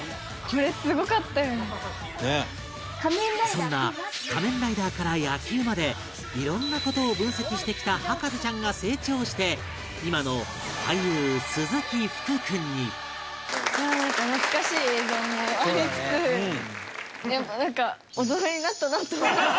そんな『仮面ライダー』から野球までいろんな事を分析してきた博士ちゃんが成長して今の俳優鈴木福君にでもなんか。